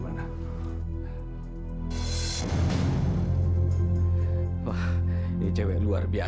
bang intensif carney juga ya